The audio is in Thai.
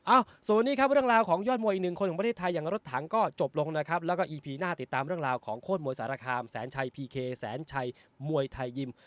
สวัสดีครับเรื่องราวของยอดมวยอีกหนึ่งคนของประเทศไทยอย่างรถถังก็จบลงนะครับแล้วก็อีพีหน้าติดตามเรื่องราวของโคตรมวยสารคามแสนชัยพีเคแสนชัยมวยไทยยิม